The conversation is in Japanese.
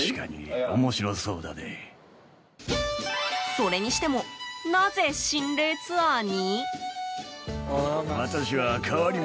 それにしてもなぜ心霊ツアーに？